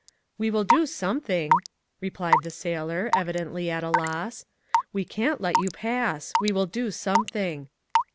"We will do something," replied the sailor, evidently at a loss. "We can't let you pass. We will do something."